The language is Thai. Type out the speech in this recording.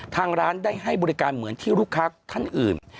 ทางร้านได้ให้บริการเหมือนที่ลูกค้าท่านอื่น